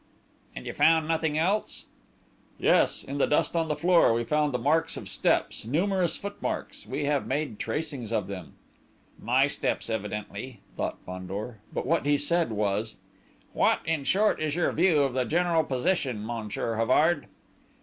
"And you found nothing else?" "Yes, in the dust on the floor, we found the marks of steps, numerous foot marks: we have made tracings of them." "My steps, evidently," thought Fandor. But what he said was: "What, in short, is your view of the general position, Monsieur Havard?"